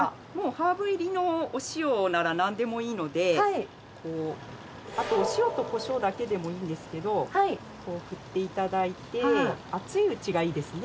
ハーブ入りのお塩ならなんでもいいのであとお塩とコショウだけでもいいんですけど振っていただいて熱いうちがいいですね